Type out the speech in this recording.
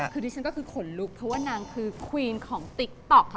คือดิฉันก็คือขนลุกเพราะว่านางคือควีนของติ๊กต๊อกค่ะ